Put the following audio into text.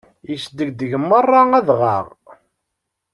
Yesdegdeg merra adɣaɣ.